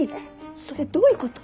それどういうこと？